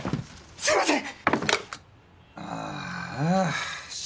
すいません！